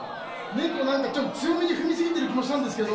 ねこなんかちょっとつよめにふみすぎてるきもしたんですけど。